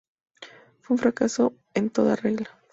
Fue un fracaso en toda regla.